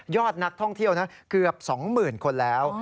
ยอดนักท่องเที่ยวเกือบสองหมื่นคนแล้ว